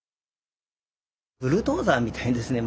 ブルドーザーみたいにですね